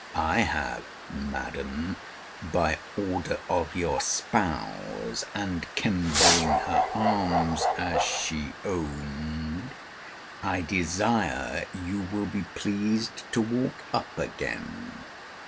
I have, Madam, by order of your spouse: and, kemboing her arms, as she owned, I desire you will be pleased to walk up again.